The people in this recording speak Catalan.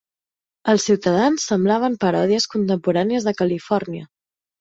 Els ciutadans semblaven paròdies contemporànies de Califòrnia.